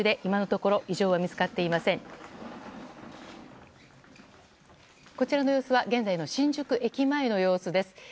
こちらの様子は現在の新宿駅前の様子です。